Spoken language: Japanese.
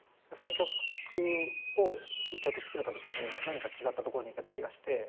その曲を１曲作れたときに何か違ったところに行けた気がして。